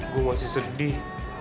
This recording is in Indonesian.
gue masih sedih